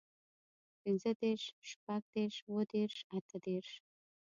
پينځهدېرش، شپږدېرش، اووهدېرش، اتهدېرش